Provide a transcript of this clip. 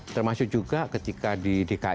termasuk juga ketika di dki pancasila ya